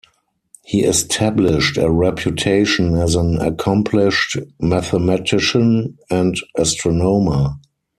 He established a reputation as an accomplished mathematician and astronomer.